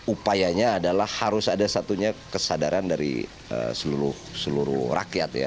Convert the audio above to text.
upayanya adalah harus ada satunya kesadaran dari seluruh orang yang mencari bahasa sunda dan bahasa sunda yang menarik anak muda